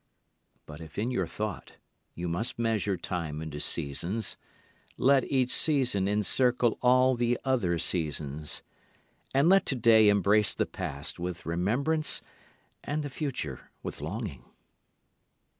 But if in your thought you must measure time into seasons, let each season encircle all the other seasons, And let today embrace the past with remembrance and the future with longing.